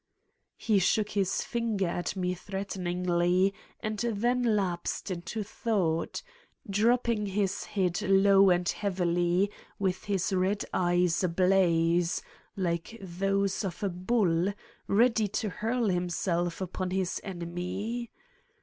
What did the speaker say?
He shook his finger at me threateningly and then lapsed into thought, dropping his head low and heavily, with his red eyes ablaze, like those of a bull, ready to hurl himself upon his enemy.